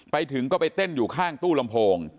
ไปถึงก็ไปเต้นอยู่ข้างตู้ลำโพง